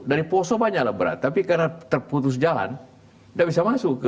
dari poso banyak lah berat tapi karena terputus jalan tidak bisa masuk ke